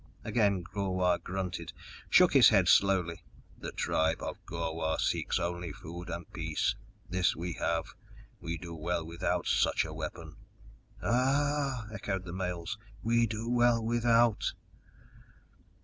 Again Gor wah grunted, shook his head slowly. "The tribe of Gor wah seeks only food and peace. This we have. We do well without such a weapon." "Arh h," echoed the males. "We do well without."